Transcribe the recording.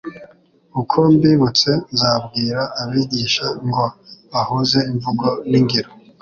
Uko mbibutse nzabwira abigisha ngo bahuze imvugo n'ingiro